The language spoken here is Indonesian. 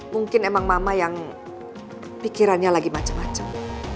mungkin emang mama yang pikirannya lagi macem macem